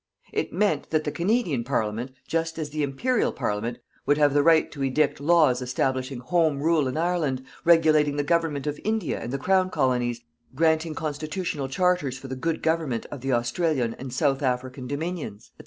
It meant that the Canadian Parliament, just as the Imperial Parliament, would have the right to edict laws establishing Home Rule in Ireland, regulating the government of India and the Crown Colonies, granting constitutional charters for the good government of the Australian and South African Dominions, &c.